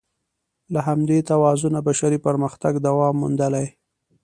له همدې توازنه بشري پرمختګ دوام موندلی.